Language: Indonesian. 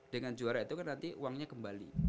dengan juara itu kan nanti uangnya kembali